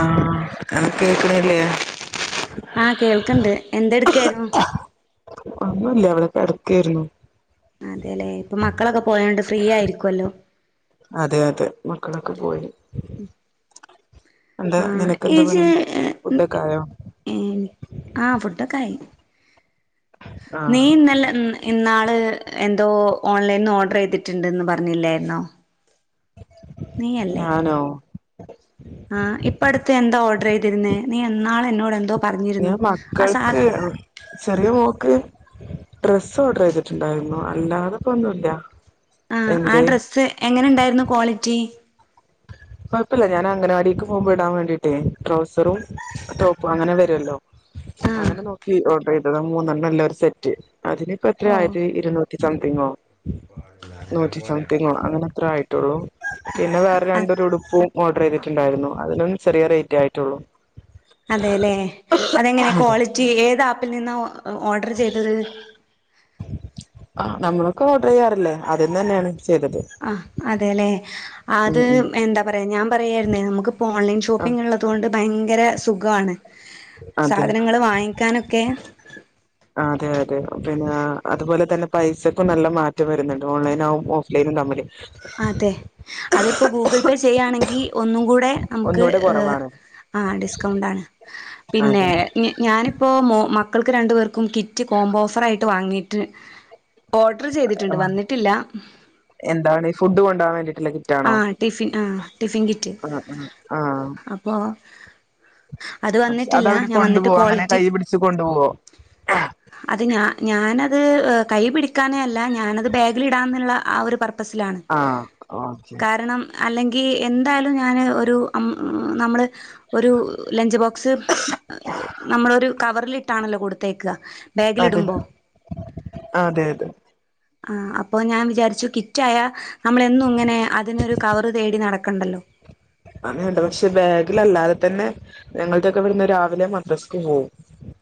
ആഹ് അനക്ക കേക്കണില്ലേ. ആഹ് കേൾക്കണ്ട് എന്തെടുക്കായിരുന്നു. ഒന്നുല്ല ഇവിടെ കെടക്കായിരുന്നു. അതെല്ലെ. ഇപ്പൊ മക്കളൊക്കെ പോയോണ്ട് ഫ്രീ ആയിരിക്കുല്ലോ. അതെ, അതെ മക്കളൊക്കെ പോയി. എന്താ ആഹ് നിനക്കെന്താ ഇജ് പണി ഫുഡൊക്കെ ആയോ ഏ ആ ഫുഡൊക്കെ ആയി നീ ആഹ് നല്ല ഇന്നാള് എന്തോ ഓൺലൈനിന്ന് ഓർഡർ ചെയ്തിട്ടുണ്ടെന്ന് പറഞ്ഞില്ലായിരുന്നോ. നീയല്ലേ ഞാനോ. ആഹ് ഇപ്പട്ത്ത് എന്താ ഓട്റേയ്തിര്ന്നേ നീ ഏന്നാള് എന്നോടെന്തോ. ഞാ മക്കൾക്ക്. ചെറിയ മോക്ക് ഡ്രസ്സോഡ്രീയ്തിട്ടുണ്ടാർന്നു അല്ലാതെ ഇപ്പ ഒന്നുല്ല. ആഹ് ആ എന്തേ ഡ്രസ്സ് എങ്ങനെണ്ടാര്ന്നു ക്വാളിറ്റി? കൊഴപ്പല്ല ഞാൻ അംഗനവാടീക്ക് പോവുമ്പ ഇടാൻ വേണ്ടീട്ടേ ട്രൗസറും ടോപ്പും അങ്ങനെ വരോല്ലൊ. ആഹ് അങ്ങനെ നോക്കി ഓഡ്രീതത മൂന്നെണ്ണല്ല ഒര് സെറ്റ്. അതിന്. ഇപ്പ എത്രായത് ഓ ഇരുന്നൂറ്റി സംതിങ്ങൊ? നൂറ്റി സംതിങ്ങൊ അങ്ങനെത്രോ ആയ. ട്ടൊള്ളു പിന്ന വേറ രണ്ടൊരുടു പ്പും ഓഡ്രീത്റ്റ്ണ്ടായ്രുന്നു അതിനും ചെറിയ റെയ്റ്റെ ആയിട്ടുള്ളു. അതെലേ അതെങ്ങനെ അതെ ക്വാളിറ്റി ഏത് ആപ്പിൽ നിന്നാ ഓ ഓഡർ ചീതത് ആഹ് നമ്മളൊക്കെ ഓഡ്രീയ്യാറില്ലെ അത് ന്നന്നേണ് ചെയ്തത് ആഹ് അതെലേ ഉം അത് ഉം എന്ത പറയ ഞാൻ പറയായിരുന്നെ നമുക്കിപ്പൊ ഓൺലൈൻ ആ ഷോപ്പിംഗ് ഇള്ളതോണ്ട് ഭയങ്കര സുഖാണ് അതെ സാധനങ്ങള് വാങ്ങിക്കാനൊക്കെ അതെ അതെ പിന്നി അത്പോലെ തന്നെ പൈസക്കും നല്ല മാറ്റം വര്ന്ന്ണ്ട് ഓൺലൈനാവും ഓഫ് ലൈനും തമ്മില് അതെ അതിപ്പൊ ഗൂഗിൾ പെ ചെയ്യാണെങ്കി ഒന്നും കൂടെ നമ്ക് ഒന്നൂടെ ഏഹ് കുറവാണ് ആഹ് ഡിസ്കൗണ്ടാണ് പിന്നേ അതെ ഞാനിപ്പോ മോ മക്കൾക്ക് രണ്ട് പേർക്കും കിറ്റ് കോംമ്പൊ ഓഫറിയിട്ട് വാങ്ങീട്ട് ഓഡ്ര് ചെയ്തിട്ട്ണ്ട് ആ വന്നിട്ടില്ല എന്താണ് ഈ ഫുഡ്ഡ് കൊണ്ടാവാ വേണ്ടി ല്ല ആ കിറ്റാണൊ ടിഫിൻ ആ ആഹ് ആഹ് ആഹ് വാ അതവര് കൊണ്ടുപോവൊ അങ്ങനെ കയ്യി പിടിച്ച് കൊണ്ടുപോവൊ അത് ഞാ ഞാനത് ഏഹ് കയ്യി പിടിക്കാനല്ല ഞാനത് ബാഗിലിടാം എന്ന്ള്ള ആഹ് ഒര് പർപ്പസിലാണ് ആഹ് ഓഹ് കാര്ണം അല്ലെങ്കി എന്തായാലും ഞാന് ഒര് അം നമ്മള് ഒരു ലഞ്ച് ബോക്സ് നമ്മളൊരു കവറ്ല്ട്ടാണല്ലൊ കൊട് ത്തയക്ക അതെ ബാഗിലിടുമ്പൊ അതെ അതെ ആഹ് അപ്പൊ ഞാൻ വിജാരിച്ചു കിറ്റായ നമ്മളെന്നു ഇങ്ങനെ അതിനൊര് കവറ് തേടി നടക്കണ്ടല്ലൊ അങ്ങന്ണ്ട് പക്ഷെ ബാഗിലല്ലാതെ തന്നെ ഞങ്ങൾതൊക്കെ ഇവിട്ന്ന് രാവിലെ മദ്രസ്ക്ക് പോവും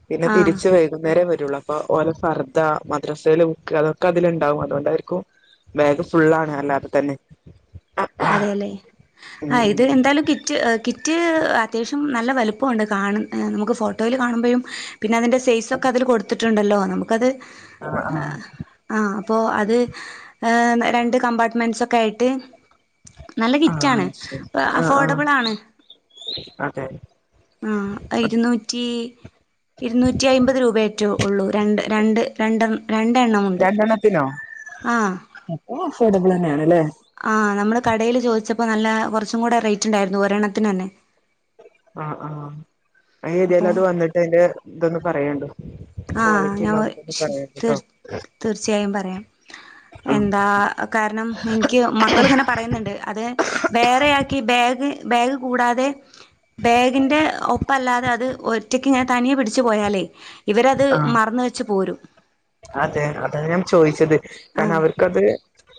പിന്നെ ആഹ് തിരിച്ച് വ ന്നേരെ വരൊള്ളു അപ്പൊ ഓല ഫർദ മദ്രസേലെ ബുക്ക് അതൊക്കെ അതില്ണ്ടാവും അതോണ്ടായ്ര്ക്കും ബാഗ് ഫുള്ളാണ് അല്ലാതെ തന്നെ അതേല്ലെ. ഉം ആഹ് ഇത് ഉം എന്തായാലും കിറ്റ് ഏഹ് കിറ്റ് ഏഹ് അത്യാവശ്യം നല്ല വലിപ്പൊണ്ട് കാണ് നമുക്ക് ഫോട്ടോയില് കാണുമ്പഴും പിന്ന അതിൻ്റെ സൈസൊക്കെ അതില് കൊട് ത്ത്ണ്ടല്ലൊ നമുക്കത് ആഹ് ആഹ് ആഹ് അപ്പോ അത് ആഹ് രണ്ട് കമ്പാർട്ട്മെൻസൊക്കായിട്ട് നല്ല ആഹ് കിറ്റാണ് ശരി ഏ ആഹ് ആഹ് അഫോർട്ടബ്ളാണ് അതെ ആഹ് ഇര്ന്നൂറ്റി ഇരുന്നൂറ്റി അയ്മ്പത് രൂബേറ്റെ ഉള്ളു രണ്ട് രണ്ട് രണ്ടെൺ രണ്ടെണ്ണമുണ്ട് രണ്ടെണ്ണത്തിനൊ ആഹ് ഓഹ് അഫോട്ടബ്ളന്നേണ്ലെ ആഹ് നമ്മള് കടയില് ചോദിച്ചപ്പൊ നല്ലാ കൊറ്ച്ചും കൂട റെയ്റ്റ്ണ്ടായ്ര്ന്നു ഒരെണ്ണത്തിനന്നെ ആ ആഹ് അയ് എതായാലും അത് അപ്പോൾ വന്ന്ട്ട് അതിന്റെ ഇതൊന്ന് പറയൊണ്ടു ആഹ് ഞാൻ വ തീർ തീർച്ചയായും പറയാം ആഹ് എന്താ കാര്ണം ഇൻ ക്ക് മക്കള്ങ്ങനെ പറയ്ന്ന്ണ്ട് അത് വേറെയാക്കി ബാഗ് ബാഗ് കൂടാതെ ബാഗിന്റെ ഒപ്പല്ലാതെ അത് ഒറ്റക്ക്ങ്ങനെ തനിയെ പിടിച്ച് പോയാലെ ഇവരത് ആഹ് മറന്ന് വച്ച്പോരും അതെ അതാഞാൻചോയ്ച്ചത് ആഹ് കാരണഅവർക്കത്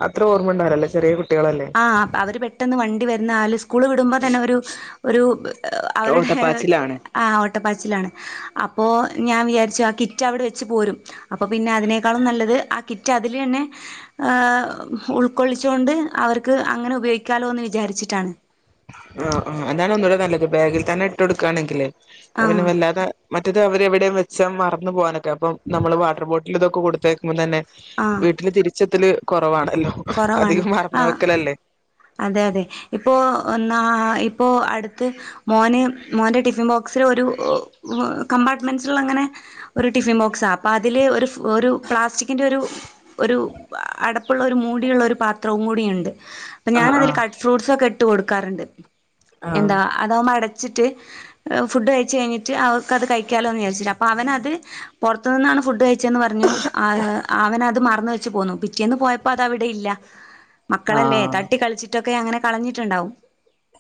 അത്ര ഓർമ്മണ്ടാവുലല്ലോ ചെറിയകുട്ടികളല്ലേ ആഹ്‌ അവര്പെട്ടെന്ന് വണ്ടിവരുന്നാല് സ്കൂള് വിട്മ്പോതന്നെഒരു ഒരു അവരുടെ ഹേർ ഓട്ടപ്പാച്ചിലാണ് ആഓട്ടപ്പാച്ചിലാണ് അപ്പോ ഞാൻവിയാര്ച്ചു ആകിറ്റ് അവിടെവെച്ച്പോരും അപ്പൊപിന്നെ അതിനേക്കാളുംനല്ലത് ആ കിറ്റ്അതില്യന്നെ ആഹ്‌ ഉൾക്കൊള്ളിച്ചൊണ്ട് അവർക്ക് അങ്ങനെ ഉപയോഗിക്കാലോന്ന് വിചാരിച്ചിട്ടാണ് ആഹ്‌ ആഹ് അതാണ് ഒന്നുംടെ നല്ലത് ബാഗിൽതന്നെ ഇട്ടൊടുക്കുകയാണെങ്കിലെയ് ന്ന ആഹ് പിന്നെവല്ലാതെ മറ്റെത്അവര് എവിടെയുംവെച്ച മറന്നു പോവാനൊക്കെ അപ്പം നമ്മള് വാട്ടർബോട്ടില്തൊക്കെ കൊടുത്തേക്കുമ്പോംതന്നെ ആഹ് വീട്ട്ല് തിരിച്ച്ത്തെല് കൊറവാണല്ലോ അധികം മറന്ന് വെക്കലല്ലേ അതെഅതെ ഇപ്പോ ഒന്നാ ഇപ്പോ അടുത്ത് മോന് മോന്റെ ടിഫിൻബോക്സിലൊരു കമ്പാർട്ട്മെൻസ്സ്ള്ളങ്ങനെ ഒരു ടിഫിൻബോക്സാ അപ്പതില് ഒരു ഒരു പ്ലാസ്റ്റിക്കിന്റെ ഒരു ഒരു അടപ്പുള്ള ഒരു മൂ ടിയുള്ള ഒരുപാത്രവുംകൂടിഉണ്ട് അപ്പൊ ആഹ് ഞാനതില് ആഹ് കട്ട്ഫ്രൂട്ട്സ്സൊക്കെ ഇട്ട്കൊടുക്കാറ്ണ്ട് ആഹ് എന്താ അതാവുമ്പോ അടച്ചിട്ട് ഫുഡ് കഴിച്ച് കഴിഞ്ഞിട്ട് അവക്കത് കഴിക്കാലോന്ന് വിയാരിചിട്ട് അപ്പൊ അവനത് പൊറ്ത്ത്ന്നാണ് ഫുഡ് കഴി ച്ചന്ന് പറഞ്ഞു ആ അവനത് മറന്ന് വെച്ച്പോന്നു, പിറ്റേന്ന് പോയപ്പോ അതവിടെ ഇല്ല മക്കളല്ലേ ആഹ് തട്ടിക്കളിച്ചിട്ടൊക്കെ അങ്ങനെ കളഞ്ഞിട്ടുണ്ടാവും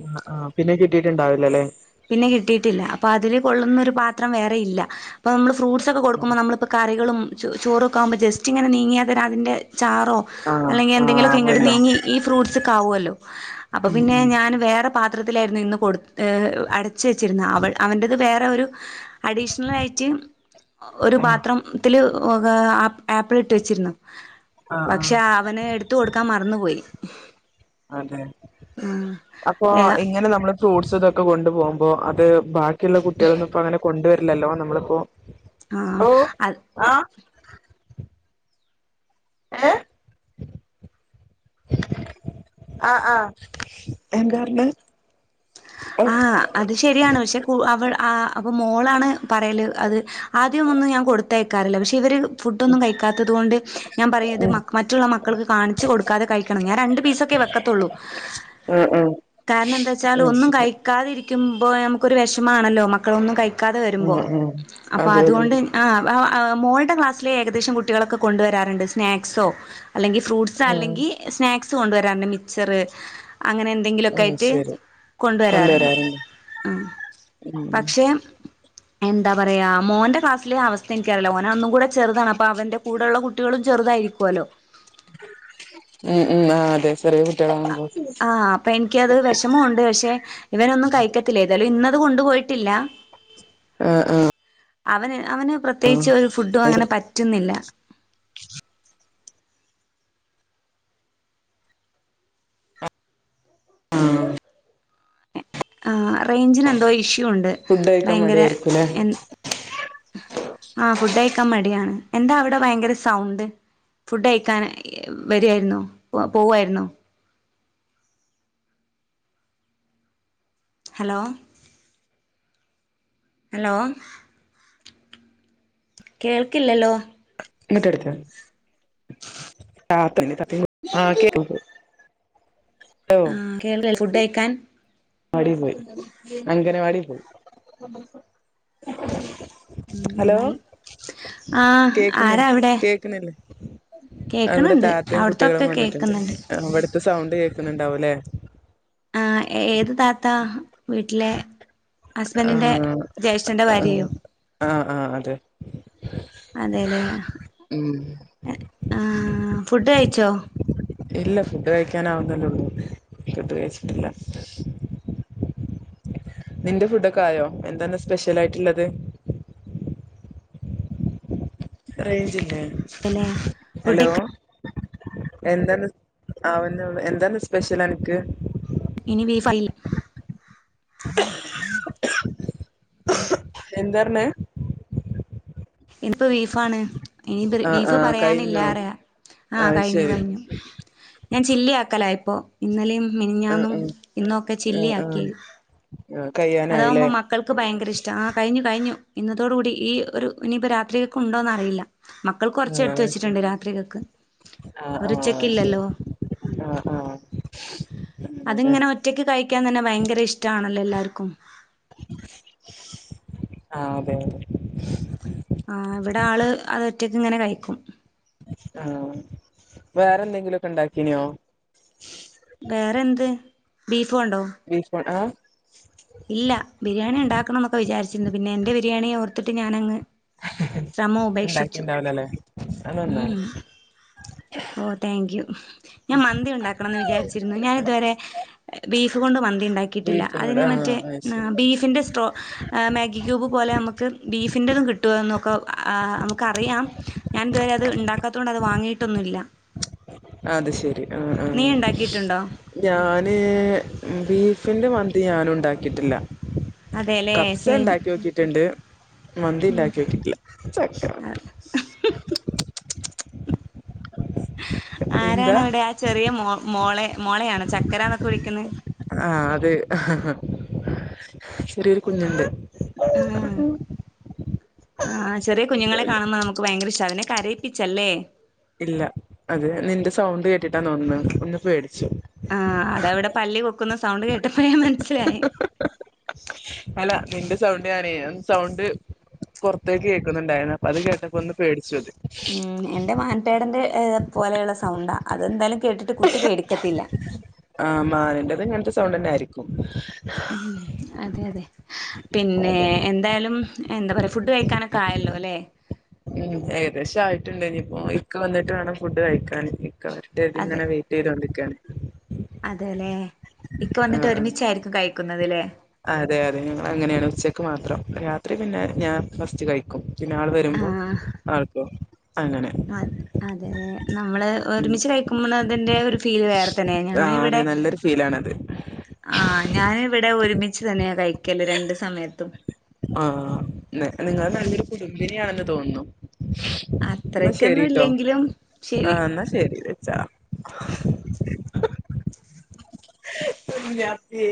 അഹ് അഹ് പിന്നെ കിട്ടിയിട്ടുണ്ടാവില്ലല്ലെ പിന്നെ കിട്ടിയിട്ടില്ല. അപ്പൊ അതില് കൊള്ളുന്നൊരു പാത്രം വേറെ ഇല്ല. അപ്പൊമ്മള് ഫ്രൂട്ട്സ് ഒക്കെ കൊടുക്കുമ്പോ നമ്മള്പ്പ കറികളും ചൊ ചോറൊക്കൊവുമ്പോ ജസ്റ്റ് ഇങ്ങനെ നീങ്ങിയാത്തന്നെ അതിൻ്റെ ചാറോ ആഹ് അല്ലെങ്കി എന്തെങ്കിലൊക്കെങ്ങ്ട്ട് ആവല്ലോ നീങ്ങി ഈ ഫ്രൂട്ട്സ്സ്ക്കാവൊല്ലോ ഉം അപ്പോപിന്നെ ഉം ഞാന് വേറെപാത്രത്തിലെര്ന്നു ഇന്ന് കൊട് ഹെ അട ച്ച് വെച്ച്ര്ന്നെ. അവൾ അവന്റെത് വേറെ ഒരു അഡീഷ്ണ്ലായിറ്റ് ആഹ് ഒരുപാത്രം ത്തിൽ ത്തിൽ ആപ്പ്‌ ആപ്പിൾട്ട് വെച്ചിര്ന്നു ആഹ് പക്ഷെ ആഹ് അവന് എടുത്ത് കൊട്ക്കാൻ മറന്ന് പോയി അതെ അപ്പൊ ആ എങ്ങനെ നമ്മള് ഫ്രൂട്ട്സ് ഇതൊക്കെ കൊണ്ടു പോവുമ്പോ അത് ബാക്കിള്ള കുട്ടികളൊന്നുംപ്പ അങ്ങനെ കൊണ്ട് വര്ലല്ലോ നമ്മള്പ്പോ ആഹ്‌ അത് ആഹ്‌ ഏഹ്‌ ആഹ്‌ ആഹ്‌ എന്തറ്ഞ്ഞെ? ആഹ്‌ അത് ശരിയാണ് പഷെ കൂ അവൾ ആ അപ്പൊ മോളാണ് പറയല് അത് ആദ്യം ഒന്നും ഞാൻ കൊട് ത്തെയക്കാറില്ല പക്ഷെ ഇവര് ഫുഡ്ഡൊന്നും കഴിക്കാത്തത് കൊണ്ട് ഞാൻ പറയുത് ഉം മ മറ്റുള്ളമക്കൾക്ക് കാണിച്ച് കൊടുക്കാതെ കഴിക്കണം ഞാരണ്ട് പീസൊക്കെ വെ ക്കത്തൊള്ളൂ. ആ ആ കാര്ണന്താച്ചാൽ അത് ഒന്നും ശരി കഴി ക്കാതിരിക്കുമ്പോ നമുക്കൊരു വെഷമാണല്ലോ മ ക്കളൊന്നുംകഴിക്കാതെ ആ വരുമ്പോ, ആ അപ്പോ അതെ അത് അതെ കൊണ്ട് ആഹ്‌ ആഹ് മോൾടെ ക്ലാസ്സിലെ ഏകദേശം കുട്ടികളൊക്കെ കൊണ്ടുവരാറ്ണ്ട് സ്നാക്സോ അല്ലെങ്കി ഫ്രൂട്ട്സ്സ് ആ അല്ലെങ്കി സ്നാക്സ് കൊണ്ട് വരാറ്ണ്ട് മിച്ചറ് അങ്ങനെ എന്തെങ്കിലുക്കായിറ്റ് കൊണ്ടുവരാ വരാറുണ്ട് ഉം പക്ഷെ എന്താ പറയാ മോന്റെ ക്ലാസ്സിലെ അവസ്ഥ ഇൻക്കറീല്ല മോനൊന്നും കൂടെ ചെറുതാണ്, അപ്പൊ അവന്റെ കൂടെള്ള കുട്ടികള് ചെറുതായിരിക്കുവല്ലോ ഉം ഉം ആഹ് അതെ ചെറിയകുട്ടിയാളാവുമ്പോ പ്പൊ എനിക്കത് വെഷമോണ്ട് പക്ഷെ ഇവനൊന്നും കഴിക്കത്തില്ല, ഏതായാലും ഇന്നത് കൊണ്ട് പോയിട്ടില്ല ആഹ് ആഹ് അവന് അവന് പ്രത്യേകിച്ച് ഒരു ഫുഡും അങ്ങനെ പറ്റുന്നില്ല റേഞ്ചിന് എന്തോ ഇഷ്യൂ ഉണ്ട് ഫുഡ് കഴിക്കാൻ ഭയങ്കര മടിയായിരിക്കൂല്ലേ എ ആഹ് ഫുഡ് കയ്ക്കാൻ മടിയാണ്. എന്താ അവിടെ ഭയങ്കര സൗണ്ട് ഫുഡ് കയ്ക്കാൻ വരുവായിരുന്നോ, പോവായിരുന്നോ ഹലോ ഹലോ കേൾക്കില്ലല്ലോ ഇങ്ങട്ട് എടുക്ക് ആഹ് [unintelligible] ആഹ് കേക്കും ങ്കൽ ഫുഡ് അയിക്കാൻ വാടി പോയി അങ്ങനെ വാടി പോയി. ഉം ഹലോ നന്നായി ആഹ് ആരാ കേക്കുന്നില്ല അവിടെ കേക്കുന്നില്ലേ അവിടെ കേക്കണണ്ട് താത്തയും കുട്ട്യേളും അവിടത്തൊക്കെ വന്നിട്ടുണ്ട്. കേക്കുന്നുണ്ട് അപ ഇവിട്ത്തെ സൗണ്ട് കേക്കുന്നുണ്ടാവുലേ. ആ ഏത് താത്ത വീട്ടിലെ ഹസ്ബൻഡറിന്റെ ആഹ് ജ്യേഷ്ഠന്റെ ആഹ് ഭാര്യയോ ആഹ് ആഹ് അതെ അതെല്ലേ ഉം ആഹ് ഫുഡ് കഴിച്ചോ ഇല്ല ഫുഡ് കഴിക്കാൻ ആവുന്നെ ലൊള്ളൂ. ഫുഡ് കഴിച്ചിട്ടില്ല. നിന്റെ ഫുഡൊക്കെ ആയോ എന്താണ് സ്പെഷ്യൽ ആയിട്ട്ല്ലത്. റേയ്ഞ്ച്ല്ലേ അല്ലെ ഫുഡ് ഹലോ എന്താണ് ആ [unintelligible] ന്ന് എന്താണ് സ്പെഷ്യൽ അനക്ക്. ഇനി ബീ ഫൈൽ ഓ എന്ത പറ്ഞ്ഞ് ഇൻക്ക് ബീഫാണ്. ഇ [unintelligible] നി ആഹ് ബീഫ് ആഹ് കഴിഞ്ഞോ പറയാനില്ലാറ്യ. ആഹ് അത് കഴിഞ്ഞു ശരി കഴിഞ്ഞു. ഞാൻ ചില്ലി ആക്കലാ ഇപ്പൊ. ഇന്നലെയും ആഹ് മിനിഞ്ഞാന്നും ആഹ് ഇന്നൊക്കെ ചില്ലി ആഹ് ആഹ് ആക്കിയ ആ അതാകുമ്പോ കഴിയാനായില്ലേ മക്കൾക്ക് ഭയങ്കര ഇഷ്ട. ആഹ് കഴിഞ്ഞു കഴിഞ്ഞു. ഇന്നതോട് കൂടി ഈ ഒരു ഇനിയിപ്പ രാത്രിയക്ക് ഉണ്ടോന്ന്റിയില്ല. മക്കൾക്ക് കൊറ്ച്ച് എടുത്ത് ആഹ് ശരി വെച്ചിട്ടുണ്ട് രാത്രിക്കക്ക്. ആഹ് ആഹ് ശെരി ആഹ് ആഹ് അങ്ങനെല്ലേ അതിങ്ങനെ ഒറ്റയ്ക്ക് കഴിക്കാൻ തന്നെ ഭയങ്കര ഇഷ്ടാണൊല്ലോ എല്ലാർക്കും. ആഹ് അതെ അതെ ആഹ് ഇവിടെ ആള് അതൊറ്റക്ക് ഇങ്ങനെ കഴിക്കും. ആഹ് വേറെ എന്തെങ്കിലൊക്കെ ഇണ്ടാക്കീന്യോ. വേറെ എന്ത് ബീഫോണ്ടോ. ബീഫ് ണ്ട് ആഹ് ഇല്ല ബിരിയാണി ഇണ്ടാക്കണം എന്നൊക്കെ വിചാരിച്ചിരുന്നു. പിന്നെ എന്റെ ബിരിയാണിയെ ഓർത്തിട്ട്ഞാനങ്ങ്. ശ്രമം ഉപേക്ഷിച്ചു ഉണ്ടാക്കിണ്ടാവില്ലല്ലേ അത് ഉം നന്നായി ഉം. ഓ താങ്ക് യു. ഞാൻ മന്തി ഉണ്ടാക്കണംന്ന് വിചാരിച്ചിരുന്നു. ഞാൻ ഇതുവരെ. ബീഫ് കൊണ്ട് മന്തി ഉണ്ടാക്കിയിട്ടില്ല ബീഫിനോട് അതിനെ മറ്റ് ആഹ് അത് ശരി ബീഫിൻ്റെ സ്ട്രോ മാഗി ക്യൂബ് പോലെ നമക്ക് ബീഫിൻ്റെതും കിട്ടൊഎന്നൊക്കെ. ആ നമുക്കറിയാം ഞാൻ ഇതുവരെ അത് ഇണ്ടാക്കാത്തോണ്ട് അത് വാങ്ങിയിട്ടൊന്നുല്ല. അത് ശെരി അഹ് നീ ആഹ്. ഉണ്ടാക്കിയിട്ടുണ്ടോ ഞാന് ബീഫിന്റെ മന്തി ഞാനു ഉണ്ടാക്കിട്ടില്ല. അതെല്ലേ കബ്സ സെയിം ഉണ്ടാക്ക്യോക്കീട്ടുണ്ട്. മന്തി ഉണ്ടാക്ക്യോക്കിട്ടില്ല. ആരാണ് എന്താ അവിടെ ആ ചെറിയ മോളെ മോളയാണൊ ചക്കരന്നൊക്കെ വിളിക്കുന്നത്. ആഹ് അത് ചെറിയൊരു കുഞ്ഞുണ്ട്. [inaudible] ഉം ആഹ് ചെറിയ കുഞ്ഞുങ്ങളെ കാണുമ്പ നമുക്ക് ഭയങ്കര ഇഷ്ട അതിനെ കരയിപ്പിച്ചല്ലേ. ഇല്ല അത് നിന്റെ സൗണ്ട് കേട്ടിട്ടാ തോന്ന്ന്ന് ഒന്നു പേടിച്ചു. ആഹ് അതവിടെ പല്ലി കൊക്കുന്ന സൗണ്ട് കേട്ടപ്പെളെ മനസ്സിലായേ. അല്ല നിന്റെ സൗണ്ട് ഞാനേ അത് സൗണ്ട് പൊറ്ത്തേക്ക് കേക്ക്ന്ന്ണ്ടായിന്നു. ഉം എന്റെ മൻ ടേടന്റെ പോലെയുള്ള സൗണ്ടാ. അതെന്തായാലും കേട്ടിട്ട് കുട്ടി പേടിക്കത്തില്ല. ആഹ് മാന് ന്റെത് ഇങ്ങൻത്തെ സൗണ്ടന്നെ ആയിരിക്കും. ഉം അതെ അതെ പിന്നെ അതെ എന്തായാലും. എന്താ പറയ ഫുഡ് കഴിക്കാനൊക്കെ ആയല്ലോ അല്ലേ? ഉം ഏകദേശം ആയിട്ട് ഉണ്ട് ഇനിയിപ്പോ ഇക്ക വന്നിട്ട് വേണം ഫുഡ് കഴിക്കാൻ ക്ക വരട്ട് ഇങ്ങനെ വെ ഈ രണ്ട് ക്യാന് അതെല്ലെ ഇക്ക ആ വന്നിട്ട് ഒരുമിച്ചായിരിക്കും കഴിക്കുന്നത് അല്ലേ അതെ അതെ ഞങ്ങള് അങ്ങനെയാണ് ഉച്ചക്ക് മാത്രം രാത്രി പിന്നെ ഞാൻ ഫസ്റ്റ് കഴിക്കും പിന്നെ ആൾ വരുമ്പോ ആൾകോ അങ്ങനെ ആര് അതേ നമ്മള് ഉം ഒരുമിച്ച് കഴിക്കുമ്പോ അതിന്റെ ഒരു ഫീല് വേറെ തന്നെയ ഞാന് ആഹ് അതെ ഇവിടെ നല്ലൊരു ഫീലാണത് ആ ഞാന് ഇവിടെ ഒരുമിച്ച് തന്നെയാ കഴിക്കല് രണ്ടു സമയത്തും. ആഹ് നിങ്ങൾ നല്ലൊരു കുടുംബിനിയാണെന്ന് തോന്നുന്നു എന്നാ അത്രക്കൊന്നും ശരിട്ടോ ഇല്ലെങ്കിലും ശരി ആഹ് എന്നാ ശരി വെച്ചാ ഞാത്തിയേ